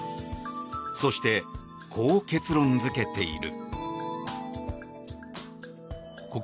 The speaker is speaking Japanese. そして、こう結論付けている。